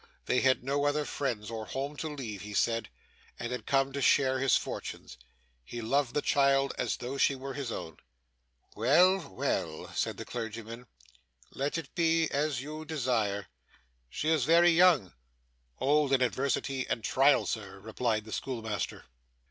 They had no other friends or home to leave, he said, and had come to share his fortunes. He loved the child as though she were his own. 'Well, well,' said the clergyman. 'Let it be as you desire. She is very young.' 'Old in adversity and trial, sir,' replied the schoolmaster.